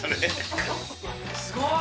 すごい。